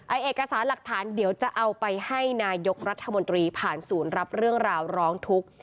เอกสารหลักฐานเดี๋ยวจะเอาไปให้นายกรัฐมนตรีผ่านศูนย์รับเรื่องราวร้องทุกข์